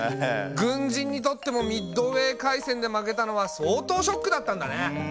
軍人にとってもミッドウェー海戦で負けたのは相当ショックだったんだね。